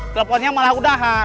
teleponnya malah udahan